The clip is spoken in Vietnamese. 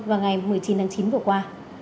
vào ngày một mươi chín tháng chín vừa qua